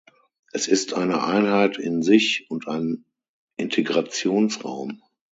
Es ist eine Einheit in sich und ein Integrationsraum.